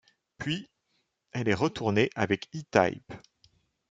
Puis elle est retournée avec E-Type.